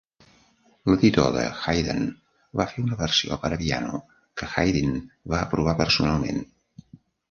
L'editor de Hayden va fer una versió per a piano, que Haydn va aprovar personalment.